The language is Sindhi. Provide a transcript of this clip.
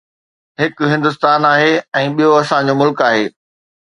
: هڪ هندستان آهي ۽ ٻيو اسان جو ملڪ آهي.